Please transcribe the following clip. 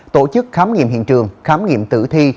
tổ chức khám nghiệm hiện trường khám nghiệm tử thi